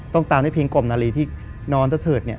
ต้องตามด้วยเพลงกล่อมนาลีที่นอนเท่าเถิดเนี่ย